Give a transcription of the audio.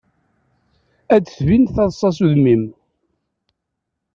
Ad tbin taḍsa s udem-im.